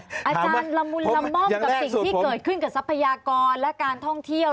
อาจารย์ละมุนละม่อมกับสิ่งที่เกิดขึ้นกับทรัพยากรและการท่องเที่ยว